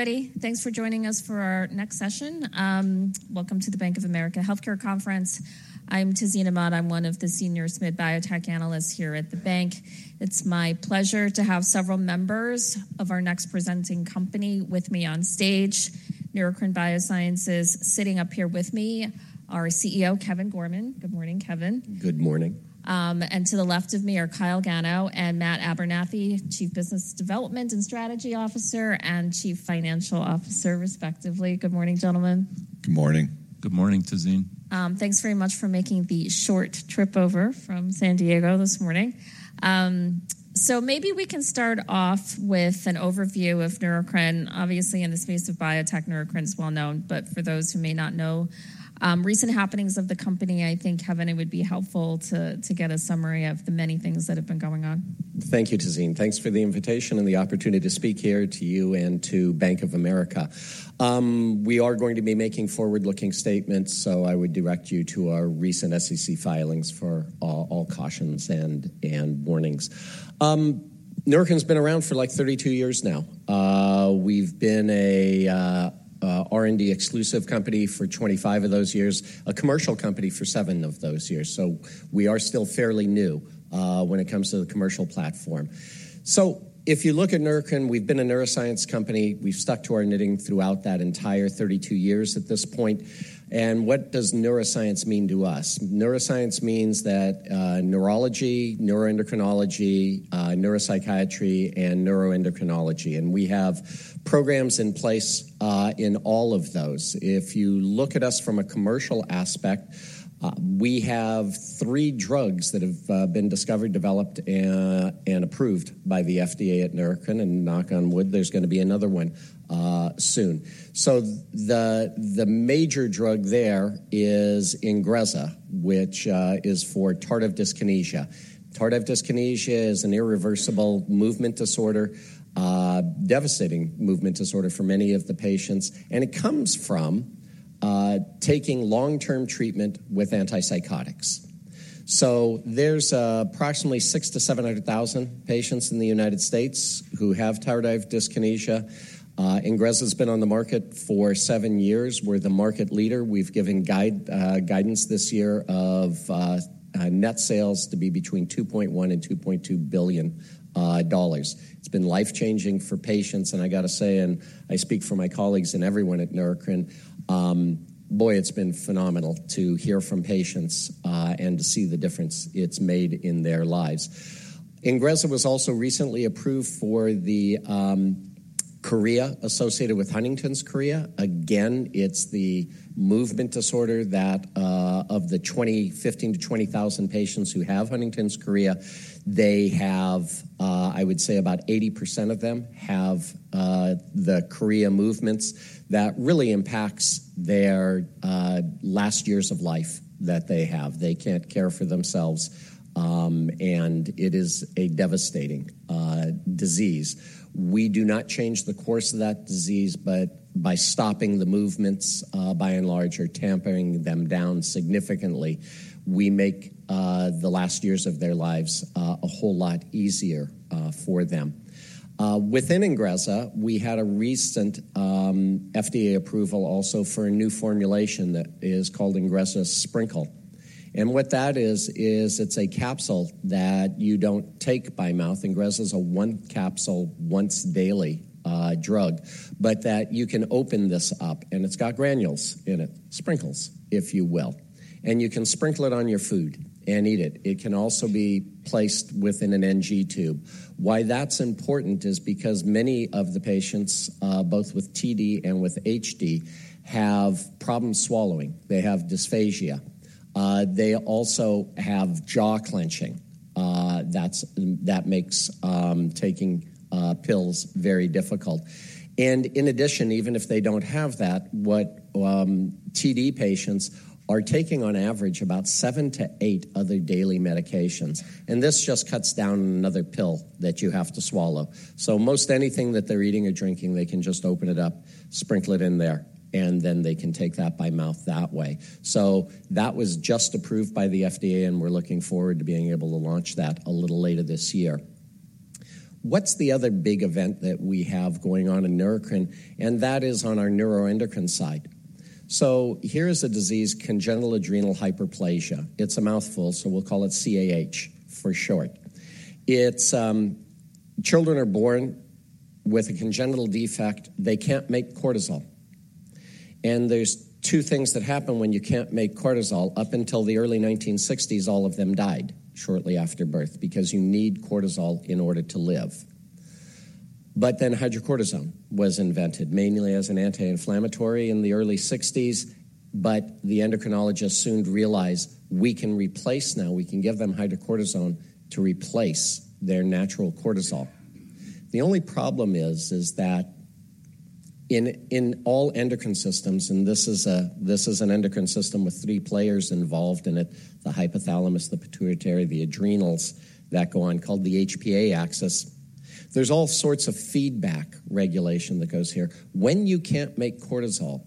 Everybody, thanks for joining us for our next session. Welcome to the Bank of America Healthcare Conference. I'm Tazeen Ahmad. I'm one of the Senior SMID Biotech Analysts here at the bank. It's my pleasure to have several members of our next presenting company with me on stage. Neurocrine Biosciences sitting up here with me are CEO Kevin Gorman. Good morning, Kevin. Good morning. To the left of me are Kyle Gano and Matt Abernethy, Chief Business Development and Strategy Officer and Chief Financial Officer, respectively. Good morning, gentlemen. Good morning. Good morning, Tazeen. Thanks very much for making the short trip over from San Diego this morning. So maybe we can start off with an overview of Neurocrine. Obviously, in the space of biotech, Neurocrine is well known. But for those who may not know, recent happenings of the company, I think, Kevin, it would be helpful to get a summary of the many things that have been going on. Thank you, Tazeen. Thanks for the invitation and the opportunity to speak here to you and to Bank of America. We are going to be making forward-looking statements, so I would direct you to our recent SEC filings for all cautions and warnings. Neurocrine's been around for like 32 years now. We've been an R&D exclusive company for 25 of those years, a commercial company for 7 of those years. So we are still fairly new when it comes to the commercial platform. So if you look at Neurocrine, we've been a neuroscience company. We've stuck to our knitting throughout that entire 32 years at this point. And what does neuroscience mean to us? Neuroscience means that neurology, neuroendocrinology, neuropsychiatry, and neuroendocrinology. And we have programs in place in all of those. If you look at us from a commercial aspect, we have three drugs that have been discovered, developed, and approved by the FDA at Neurocrine. And knock on wood, there's going to be another one soon. So the major drug there is Ingrezza, which is for tardive dyskinesia. Tardive dyskinesia is an irreversible movement disorder, devastating movement disorder for many of the patients. And it comes from taking long-term treatment with antipsychotics. So there's approximately 600,000-700,000 patients in the United States who have tardive dyskinesia. Ingrezza's been on the market for seven years. We're the market leader. We've given guidance this year of net sales to be between $2.1-$2.2 billion. It's been life-changing for patients. I got to say, and I speak for my colleagues and everyone at Neurocrine, boy, it's been phenomenal to hear from patients and to see the difference it's made in their lives. Ingrezza was also recently approved for the chorea associated with Huntington's chorea. Again, it's the movement disorder that of the 15,000-20,000 patients who have Huntington's chorea, they have, I would say, about 80% of them have the chorea movements that really impacts their last years of life that they have. They can't care for themselves. It is a devastating disease. We do not change the course of that disease, but by stopping the movements, by and large, or tampering them down significantly, we make the last years of their lives a whole lot easier for them. Within Ingrezza, we had a recent FDA approval also for a new formulation that is called Ingrezza Sprinkle. What that is, is it's a capsule that you don't take by mouth. Ingrezza's a 1-capsule, once-daily drug, but that you can open this up. It's got granules in it, sprinkles, if you will. You can sprinkle it on your food and eat it. It can also be placed within an NG tube. Why that's important is because many of the patients, both with TD and with HD, have problems swallowing. They have dysphagia. They also have jaw clenching. That makes taking pills very difficult. In addition, even if they don't have that, what TD patients are taking, on average, about 7-8 other daily medications. This just cuts down another pill that you have to swallow. So most anything that they're eating or drinking, they can just open it up, sprinkle it in there, and then they can take that by mouth that way. So that was just approved by the FDA, and we're looking forward to being able to launch that a little later this year. What's the other big event that we have going on in Neurocrine? And that is on our neuroendocrine side. So here is a disease, congenital adrenal hyperplasia. It's a mouthful, so we'll call it CAH for short. Children are born with a congenital defect. They can't make cortisol. And there's two things that happen when you can't make cortisol. Up until the early 1960s, all of them died shortly after birth because you need cortisol in order to live. But then hydrocortisone was invented, mainly as an anti-inflammatory in the early 1960s. But the endocrinologists soon realized, "We can replace now. We can give them hydrocortisone to replace their natural cortisol." The only problem is that in all endocrine systems and this is an endocrine system with three players involved in it, the hypothalamus, the pituitary, the adrenals that go on, called the HPA axis, there's all sorts of feedback regulation that goes here. When you can't make cortisol,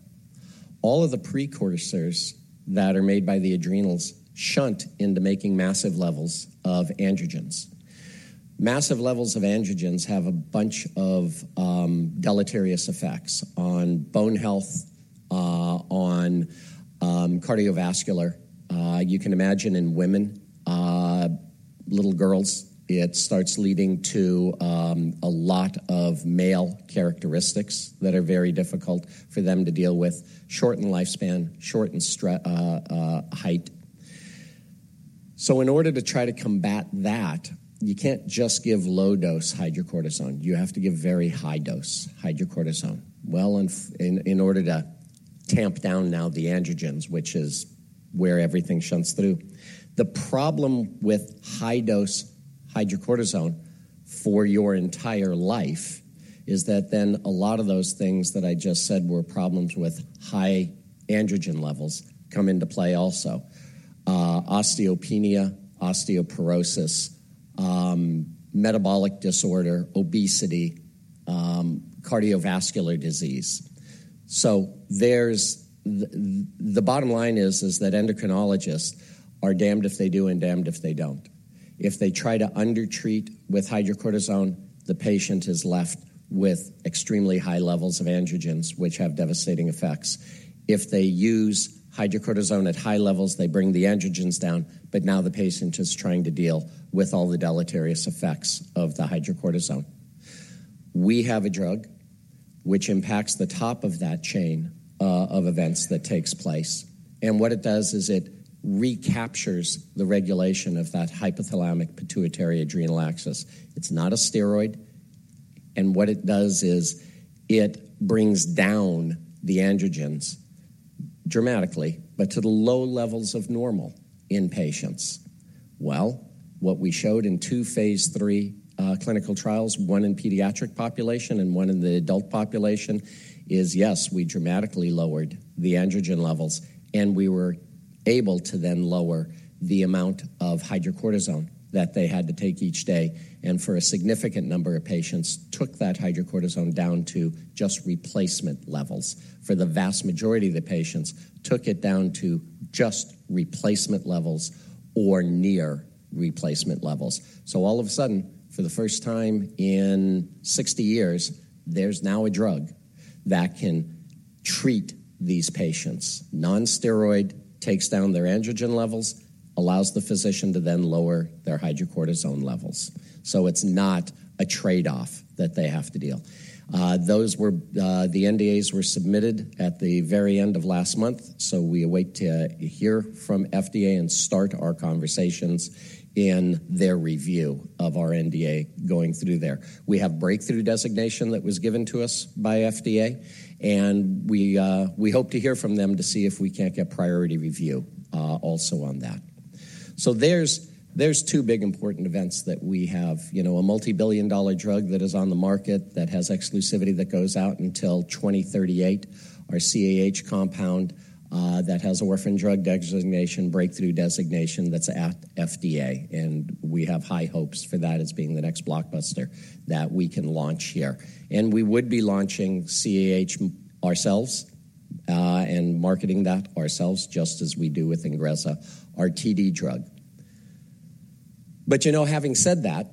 all of the precursors that are made by the adrenals shunt into making massive levels of androgens. Massive levels of androgens have a bunch of deleterious effects on bone health, on cardiovascular. You can imagine in women, little girls, it starts leading to a lot of male characteristics that are very difficult for them to deal with, shorten lifespan, shorten height. So in order to try to combat that, you can't just give low-dose hydrocortisone. You have to give very high-dose hydrocortisone, well, in order to tamp down now the androgens, which is where everything shunts through. The problem with high-dose hydrocortisone for your entire life is that then a lot of those things that I just said were problems with high androgen levels come into play also: osteopenia, osteoporosis, metabolic disorder, obesity, cardiovascular disease. So the bottom line is that endocrinologists are damned if they do and damned if they don't. If they try to under-treat with hydrocortisone, the patient is left with extremely high levels of androgens, which have devastating effects. If they use hydrocortisone at high levels, they bring the androgens down. But now the patient is trying to deal with all the deleterious effects of the hydrocortisone. We have a drug which impacts the top of that chain of events that takes place. What it does is it recaptures the regulation of that hypothalamic-pituitary-adrenal axis. It's not a steroid. And what it does is it brings down the androgens dramatically, but to the low levels of normal in patients. Well, what we showed in two phase III clinical trials, one in pediatric population and one in the adult population, is, yes, we dramatically lowered the androgen levels. And we were able to then lower the amount of hydrocortisone that they had to take each day. And for a significant number of patients, took that hydrocortisone down to just replacement levels. For the vast majority of the patients, took it down to just replacement levels or near replacement levels. So all of a sudden, for the first time in 60 years, there's now a drug that can treat these patients. Crinecerfont takes down their androgen levels, allows the physician to then lower their hydrocortisone levels. So it's not a trade-off that they have to deal. The NDAs were submitted at the very end of last month, so we await to hear from FDA and start our conversations in their review of our NDA going through there. We have breakthrough designation that was given to us by FDA. And we hope to hear from them to see if we can't get priority review also on that. So there's two big important events that we have. A multibillion-dollar drug that is on the market that has exclusivity that goes out until 2038, our CAH compound that has orphan drug designation, breakthrough designation that's at FDA. And we have high hopes for that as being the next blockbuster that we can launch here. We would be launching CAH ourselves and marketing that ourselves, just as we do with Ingrezza, our TD drug. But having said that,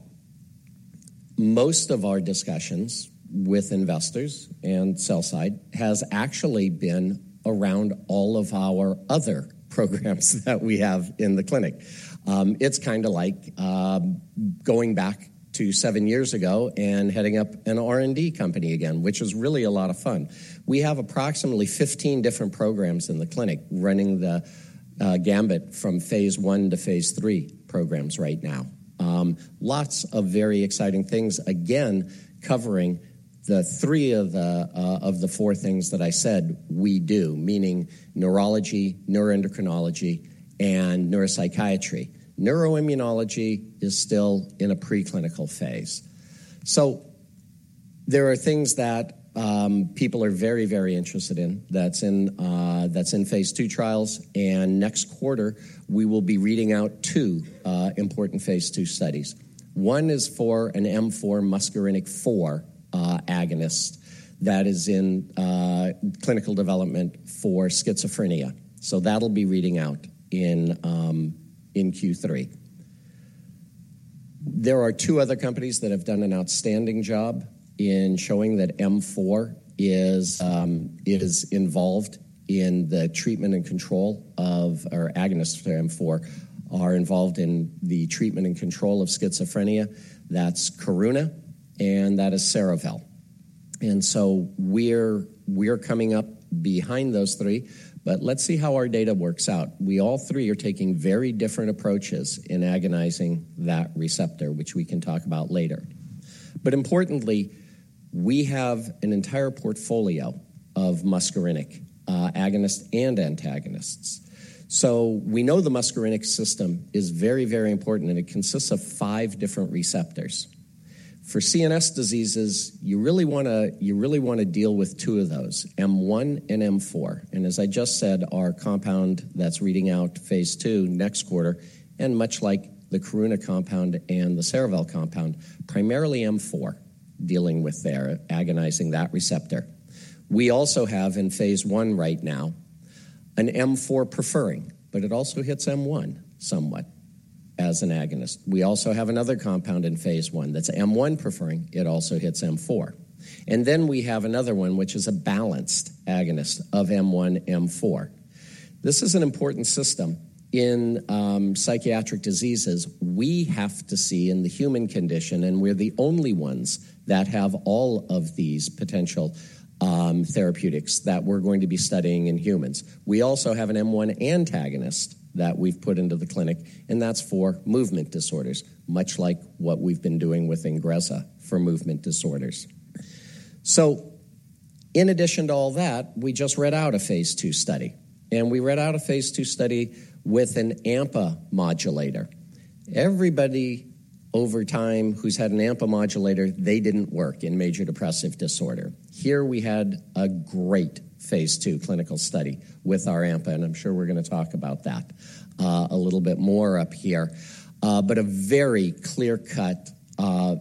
most of our discussions with investors and sell-side have actually been around all of our other programs that we have in the clinic. It's kind of like going back to seven years ago and heading up an R&D company again, which is really a lot of fun. We have approximately 15 different programs in the clinic running the gamut from Phase I to Phase III programs right now. Lots of very exciting things, again, covering three of the four things that I said we do, meaning neurology, neuroendocrinology, and neuropsychiatry. Neuroimmunology is still in a preclinical phase. So there are things that people are very, very interested in that's in Phase II trials. And next quarter, we will be reading out two important Phase II studies. One is for an M4 muscarinic agonist that is in clinical development for schizophrenia. So that'll be reading out in Q3. There are two other companies that have done an outstanding job in showing that M4 is involved in the treatment and control of or agonists for M4 are involved in the treatment and control of schizophrenia. That's Karuna. And that is Cerevel. And so we're coming up behind those three. But let's see how our data works out. We all three are taking very different approaches in agonizing that receptor, which we can talk about later. But importantly, we have an entire portfolio of muscarinic agonists and antagonists. So we know the muscarinic system is very, very important, and it consists of five different receptors. For CNS diseases, you really want to deal with two of those, M1 and M4. And as I just said, our compound that's reading out Phase II next quarter, and much like the Karuna compound and the Cerevel compound, primarily an M4 agonist at that receptor. We also have, in Phase I right now, an M4 preferring, but it also hits M1 somewhat as an agonist. We also have another compound in Phase I that's M1 preferring. It also hits M4. And then we have another one, which is a balanced agonist of M1, M4. This is an important system. In psychiatric diseases, we have to see in the human condition, and we're the only ones that have all of these potential therapeutics that we're going to be studying in humans. We also have an M1 antagonist that we've put into the clinic, and that's for movement disorders, much like what we've been doing with Ingrezza for movement disorders. So in addition to all that, we just read out a Phase II study. And we read out a Phase II study with an AMPA modulator. Everybody over time who's had an AMPA modulator, they didn't work in major depressive disorder. Here, we had a great Phase II clinical study with our AMPA. And I'm sure we're going to talk about that a little bit more up here. But a very clear-cut,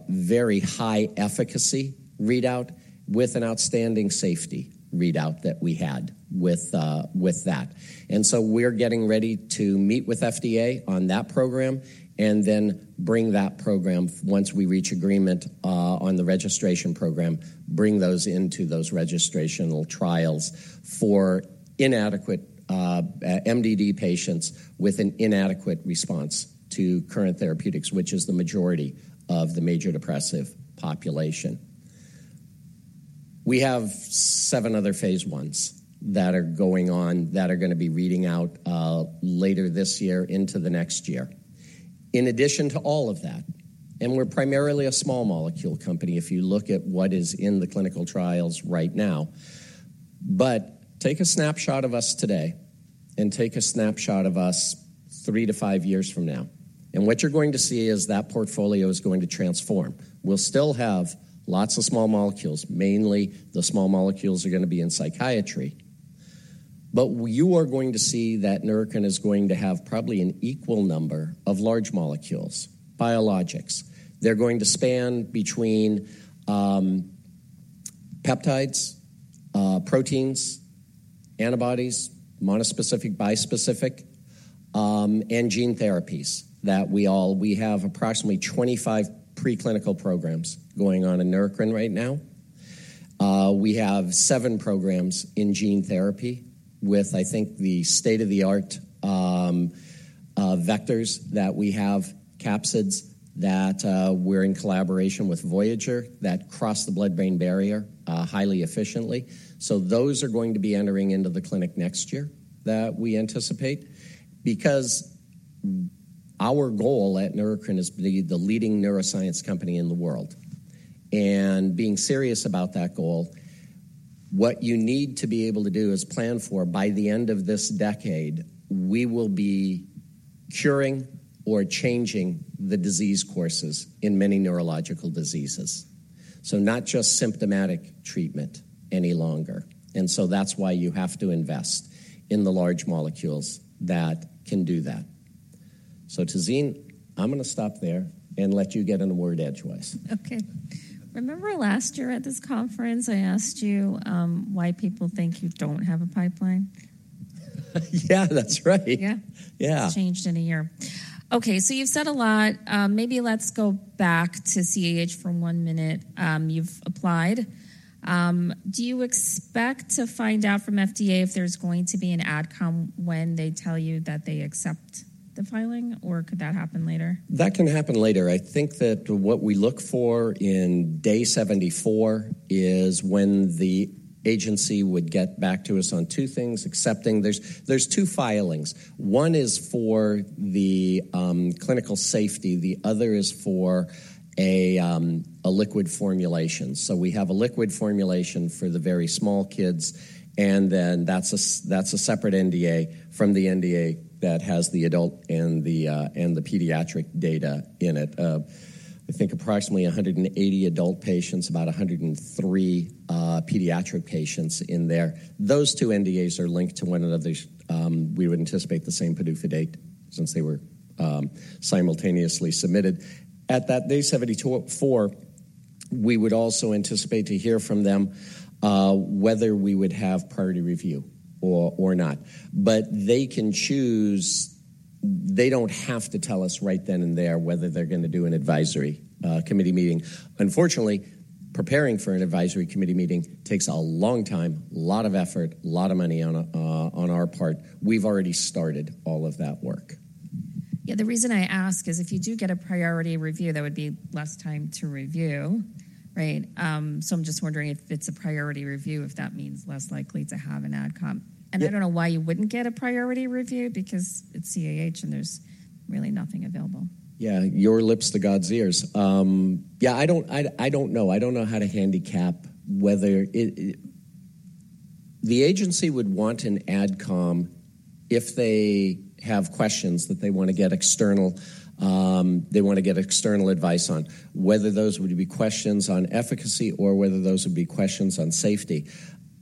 very high-efficacy readout with an outstanding safety readout that we had with that. And so we're getting ready to meet with FDA on that program and then bring that program, once we reach agreement on the registration program, bring those into those registrational trials for inadequate MDD patients with an inadequate response to current therapeutics, which is the majority of the major depressive population. We have seven other Phase I's that are going on that are going to be reading out later this year into the next year. In addition to all of that, and we're primarily a small molecule company if you look at what is in the clinical trials right now, but take a snapshot of us today and take a snapshot of us three to five years from now. What you're going to see is that portfolio is going to transform. We'll still have lots of small molecules. Mainly, the small molecules are going to be in psychiatry. You are going to see that Neurocrine is going to have probably an equal number of large molecules, biologics. They're going to span between peptides, proteins, antibodies, monospecific, bispecific, and gene therapies that we have approximately 25 preclinical programs going on in Neurocrine right now. We have seven programs in gene therapy with, I think, the state-of-the-art vectors that we have, capsids that we're in collaboration with Voyager that cross the blood-brain barrier highly efficiently. So those are going to be entering into the clinic next year that we anticipate because our goal at Neurocrine is to be the leading neuroscience company in the world. And being serious about that goal, what you need to be able to do is plan for, by the end of this decade, we will be curing or changing the disease courses in many neurological diseases, so not just symptomatic treatment any longer. And so that's why you have to invest in the large molecules that can do that. So Tazeen, I'm going to stop there and let you get a word in edgewise. Okay. Remember last year at this conference, I asked you why people think you don't have a pipeline? Yeah, that's right. Yeah? Yeah. It's changed in a year. Okay. You've said a lot. Maybe let's go back to CAH for one minute. You've applied. Do you expect to find out from FDA if there's going to be an AdCom when they tell you that they accept the filing, or could that happen later? That can happen later. I think that what we look for in day 74 is when the agency would get back to us on two things, accepting there's two filings. One is for the clinical safety. The other is for a liquid formulation. So we have a liquid formulation for the very small kids. And then that's a separate NDA from the NDA that has the adult and the pediatric data in it. I think approximately 180 adult patients, about 103 pediatric patients in there. Those two NDAs are linked to one another. We would anticipate the same PDUFA date since they were simultaneously submitted. At day 74, we would also anticipate to hear from them whether we would have priority review or not. But they can choose. They don't have to tell us right then and there whether they're going to do an advisory committee meeting. Unfortunately, preparing for an advisory committee meeting takes a long time, a lot of effort, a lot of money on our part. We've already started all of that work. Yeah. The reason I ask is if you do get a priority review, there would be less time to review, right? So I'm just wondering if it's a priority review, if that means less likely to have an AdCom. And I don't know why you wouldn't get a priority review because it's CAH, and there's really nothing available. Yeah. From your lips to God's ears. Yeah, I don't know. I don't know how to handicap whether the agency would want an AdCom if they have questions that they want to get external advice on, whether those would be questions on efficacy or whether those would be questions on safety.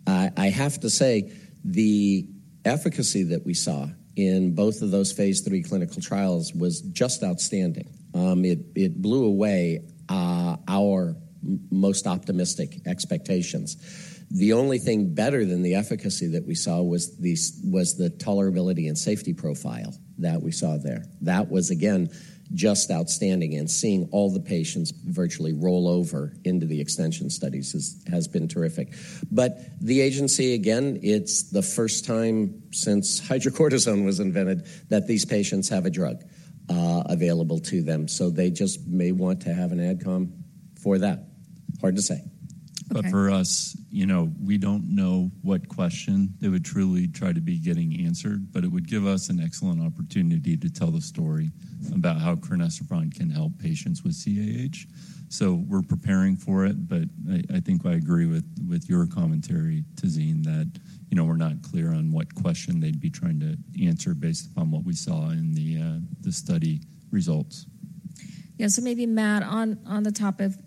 I have to say, the efficacy that we saw in both of those Phase III clinical trials was just outstanding. It blew away our most optimistic expectations. The only thing better than the efficacy that we saw was the tolerability and safety profile that we saw there. That was, again, just outstanding. And seeing all the patients virtually roll over into the extension studies has been terrific. But the agency, again, it's the first time since hydrocortisone was invented that these patients have a drug available to them. They just may want to have an AdCom for that. Hard to say. But for us, we don't know what question they would truly try to be getting answered. But it would give us an excellent opportunity to tell the story about how crinecerfont can help patients with CAH. So we're preparing for it. But I think I agree with your commentary, Tazeen, that we're not clear on what question they'd be trying to answer based upon what we saw in the study results. Yeah. So maybe, Matt, on the top of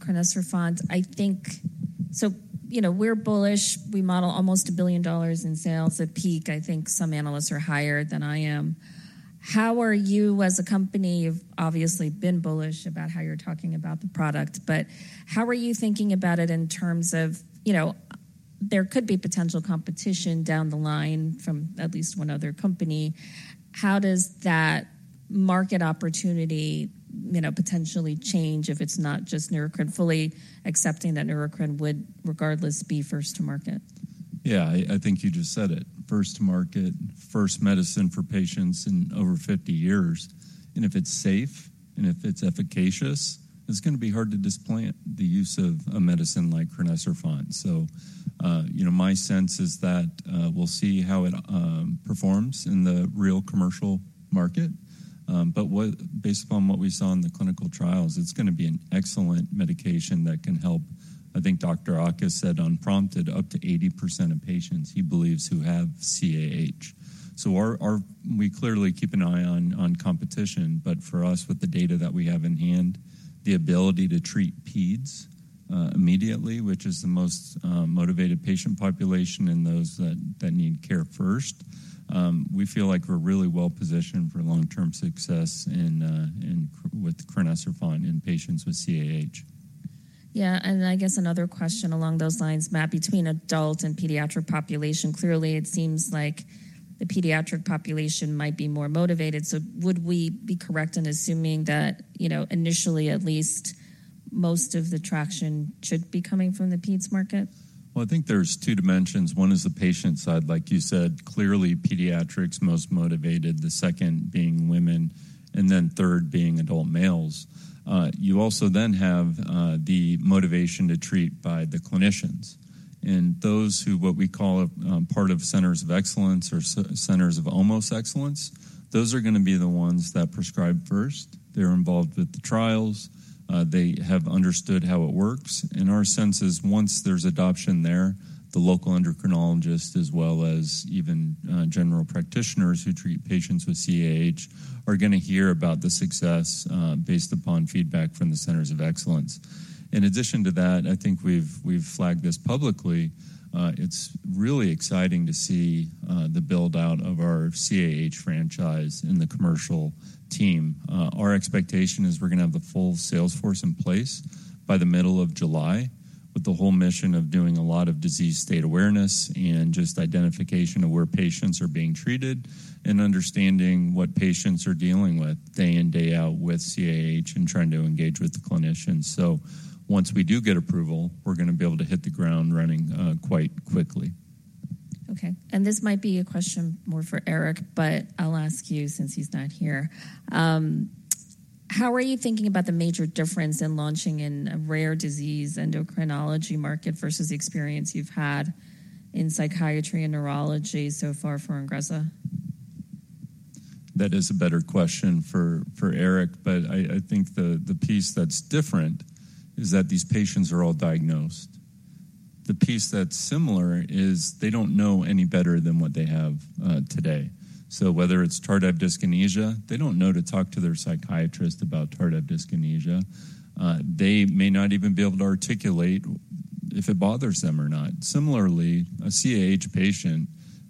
crinecerfont, I think so we're bullish. We model almost $1 billion in sales at peak. I think some analysts are higher than I am. How are you, as a company you've obviously been bullish about how you're talking about the product, but how are you thinking about it in terms of there could be potential competition down the line from at least one other company? How does that market opportunity potentially change if it's not just Neurocrine fully accepting that Neurocrine would, regardless, be first-to-market? Yeah. I think you just said it. First-to-market, first medicine for patients in over 50 years. And if it's safe and if it's efficacious, it's going to be hard to displace the use of a medicine like crinecerfont. So my sense is that we'll see how it performs in the real commercial market. But based upon what we saw in the clinical trials, it's going to be an excellent medication that can help. I think Dr. Auchus said unprompted, up to 80% of patients, he believes, who have CAH. So we clearly keep an eye on competition. But for us, with the data that we have in hand, the ability to treat peds immediately, which is the most motivated patient population and those that need care first, we feel like we're really well-positioned for long-term success with crinecerfont in patients with CAH. Yeah. I guess another question along those lines, Matt, between adult and pediatric population, clearly, it seems like the pediatric population might be more motivated. So would we be correct in assuming that, initially, at least most of the traction should be coming from the peds market? Well, I think there's two dimensions. One is the patient side. Like you said, clearly, pediatrics, most motivated, the second being women, and then third being adult males. You also then have the motivation to treat by the clinicians. And those who what we call part of centers of excellence or centers of almost excellence, those are going to be the ones that prescribe first. They're involved with the trials. They have understood how it works. And our sense is, once there's adoption there, the local endocrinologist as well as even general practitioners who treat patients with CAH are going to hear about the success based upon feedback from the centers of excellence. In addition to that, I think we've flagged this publicly. It's really exciting to see the build-out of our CAH franchise in the commercial team. Our expectation is we're going to have the full sales force in place by the middle of July with the whole mission of doing a lot of disease state awareness and just identification of where patients are being treated and understanding what patients are dealing with day in, day out with CAH and trying to engage with the clinicians. So once we do get approval, we're going to be able to hit the ground running quite quickly. Okay. This might be a question more for Eric, but I'll ask you since he's not here. How are you thinking about the major difference in launching in a rare disease endocrinology market versus the experience you've had in psychiatry and neurology so far for Ingrezza? That is a better question for Eric. But I think the piece that's different is that these patients are all diagnosed. The piece that's similar is they don't know any better than what they have today. So whether it's tardive dyskinesia, they don't know to talk to their psychiatrist about tardive dyskinesia. They may not even be able to articulate if it bothers them or not. Similarly, a CAH patient,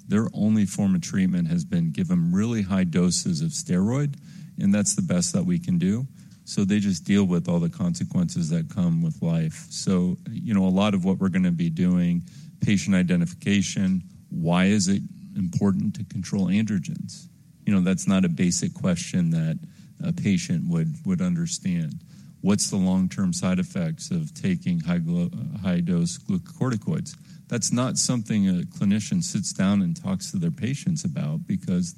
their only form of treatment has been given really high doses of steroid, and that's the best that we can do. So they just deal with all the consequences that come with life. So a lot of what we're going to be doing, patient identification, why is it important to control androgens? That's not a basic question that a patient would understand. What's the long-term side effects of taking high-dose glucocorticoids? That's not something a clinician sits down and talks to their patients about because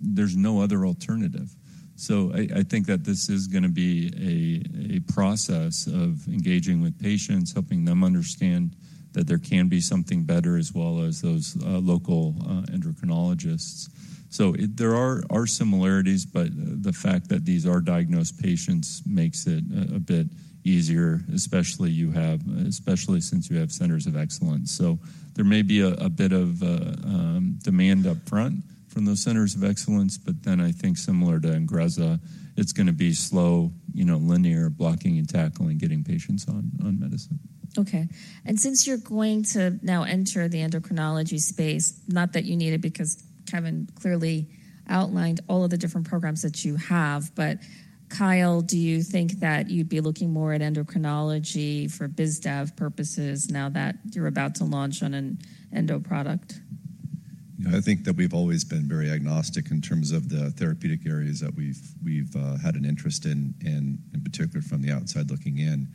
there's no other alternative. So I think that this is going to be a process of engaging with patients, helping them understand that there can be something better as well as those local endocrinologists. So there are similarities, but the fact that these are diagnosed patients makes it a bit easier, especially since you have centers of excellence. So there may be a bit of demand upfront from those centers of excellence. But then, I think, similar to Ingrezza, it's going to be slow, linear, blocking and tackling, getting patients on medicine. Okay. And since you're going to now enter the endocrinology space, not that you need it because Kevin clearly outlined all of the different programs that you have, but Kyle, do you think that you'd be looking more at endocrinology for biz dev purposes now that you're about to launch on an endo product? I think that we've always been very agnostic in terms of the therapeutic areas that we've had an interest in, in particular from the outside looking in.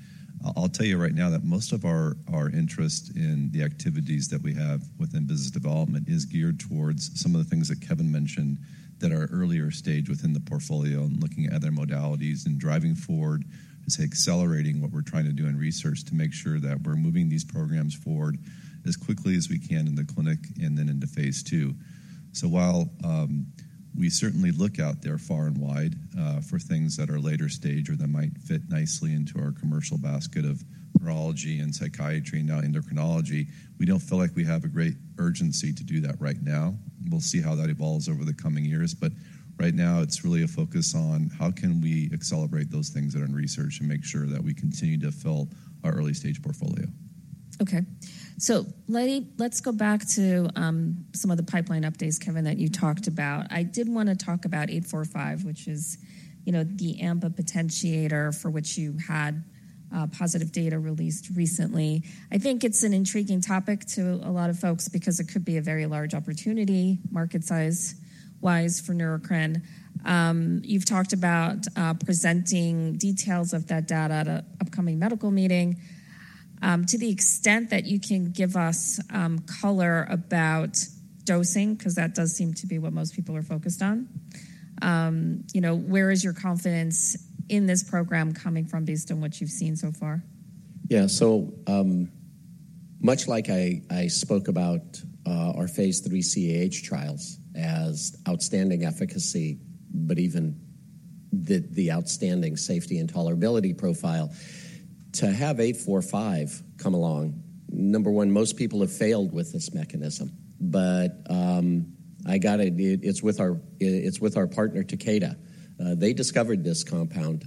I'll tell you right now that most of our interest in the activities that we have within business development is geared towards some of the things that Kevin mentioned that are earlier stage within the portfolio and looking at other modalities and driving forward, let's say, accelerating what we're trying to do in research to make sure that we're moving these programs forward as quickly as we can in the clinic and then into Phase II. So while we certainly look out there far and wide for things that are later stage or that might fit nicely into our commercial basket of neurology and psychiatry, now endocrinology, we don't feel like we have a great urgency to do that right now. We'll see how that evolves over the coming years. But right now, it's really a focus on how can we accelerate those things that are in research and make sure that we continue to fill our early-stage portfolio. Okay. So let's go back to some of the pipeline updates, Kevin, that you talked about. I did want to talk about 845, which is the AMPA potentiator for which you had positive data released recently. I think it's an intriguing topic to a lot of folks because it could be a very large opportunity, market size-wise, for Neurocrine. You've talked about presenting details of that data at an upcoming medical meeting. To the extent that you can give us color about dosing because that does seem to be what most people are focused on, where is your confidence in this program coming from based on what you've seen so far? Yeah. So much like I spoke about our Phase III CAH trials as outstanding efficacy but even the outstanding safety and tolerability profile, to have 845 come along, number one, most people have failed with this mechanism. But it's with our partner, Takeda. They discovered this compound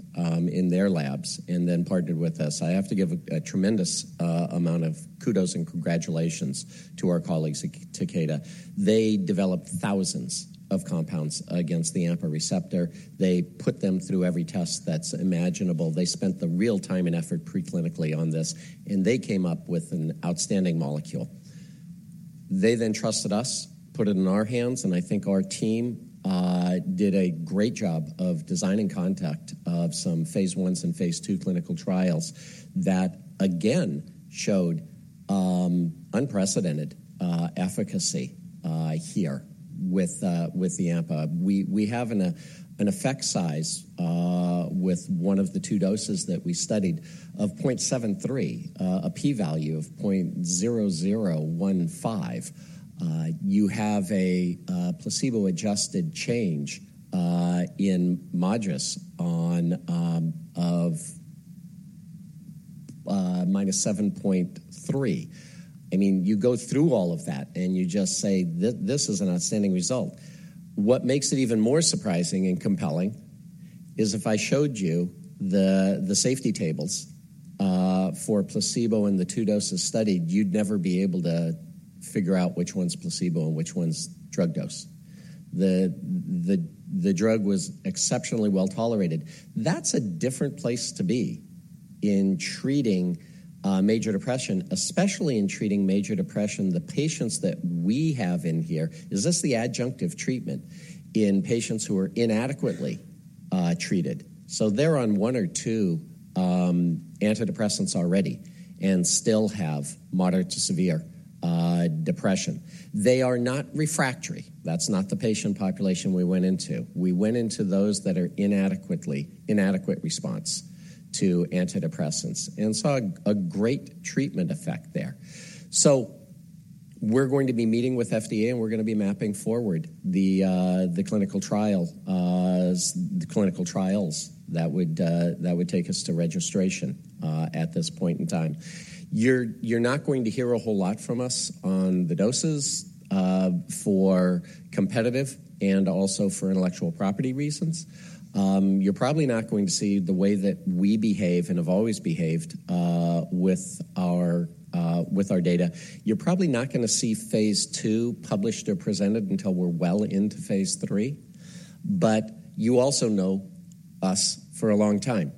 in their labs and then partnered with us. I have to give a tremendous amount of kudos and congratulations to our colleagues at Takeda. They developed thousands of compounds against the AMPA receptor. They put them through every test that's imaginable. They spent the real time and effort preclinically on this, and they came up with an outstanding molecule. They then trusted us, put it in our hands. And I think our team did a great job of designing conduct of some Phase I's and Phase II clinical trials that, again, showed unprecedented efficacy here with the AMPA. We have an effect size with one of the two doses that we studied of 0.73, a p-value of 0.0015. You have a placebo-adjusted change in MADRS of -7.3. I mean, you go through all of that, and you just say, "This is an outstanding result." What makes it even more surprising and compelling is if I showed you the safety tables for placebo in the two doses studied, you'd never be able to figure out which one's placebo and which one's drug dose. The drug was exceptionally well-tolerated. That's a different place to be in treating major depression, especially in treating major depression. The patients that we have in here is this the adjunctive treatment in patients who are inadequately treated. So they're on one or two antidepressants already and still have moderate to severe depression. They are not refractory. That's not the patient population we went into. We went into those that are inadequate response to antidepressants and saw a great treatment effect there. So we're going to be meeting with FDA, and we're going to be mapping forward the clinical trials, the clinical trials that would take us to registration at this point in time. You're not going to hear a whole lot from us on the doses for competitive and also for intellectual property reasons. You're probably not going to see the way that we behave and have always behaved with our data. You're probably not going to see Phase II published or presented until we're well into Phase III. But you also know us for a long time.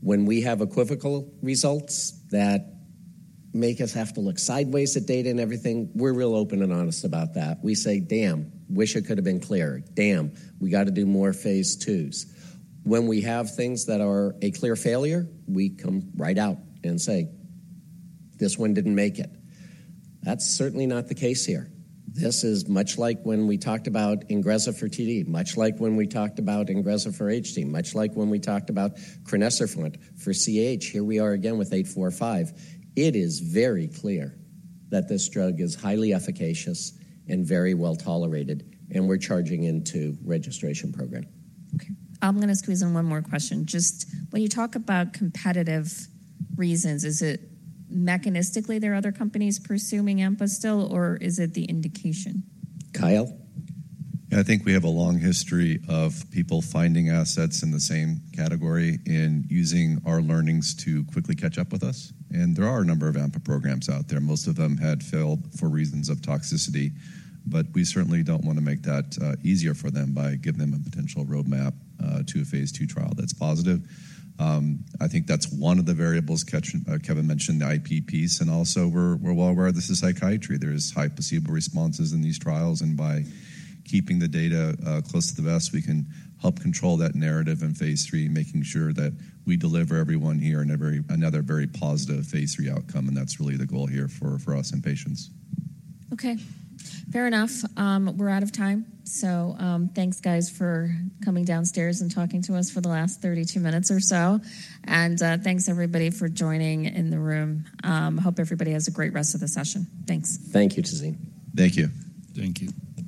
When we have equivocal results that make us have to look sideways at data and everything, we're real open and honest about that. We say, "Damn. Wish it could have been clearer. Damn. We got to do more Phase II's." When we have things that are a clear failure, we come right out and say, "This one didn't make it." That's certainly not the case here. This is much like when we talked about Ingrezza for TD, much like when we talked about Ingrezza for HD, much like when we talked about crinecerfont for CAH. Here we are again with 845. It is very clear that this drug is highly efficacious and very well-tolerated, and we're charging into registration program. Okay. I'm going to squeeze in one more question. Just when you talk about competitive reasons, is it mechanistically there are other companies pursuing AMPA still, or is it the indication? Kyle? Yeah. I think we have a long history of people finding assets in the same category and using our learnings to quickly catch up with us. And there are a number of AMPA programs out there. Most of them had failed for reasons of toxicity. But we certainly don't want to make that easier for them by giving them a potential roadmap to a phase II trial that's positive. I think that's one of the variables Kevin mentioned, the IP piece. And also, we're well aware this is psychiatry. There's high placebo responses in these trials. And by keeping the data close to the vest, we can help control that narrative in phase III, making sure that we deliver everyone here another very positive phase III outcome. And that's really the goal here for us and patients. Okay. Fair enough. We're out of time. So thanks, guys, for coming downstairs and talking to us for the last 32 minutes or so. And thanks, everybody, for joining in the room. Hope everybody has a great rest of the session. Thanks. Thank you, Tazeen. Thank you. Thank you.